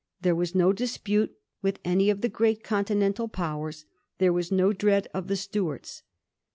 There was no dispute with any of the great Continental powers ; there was no dread of the Stuarts.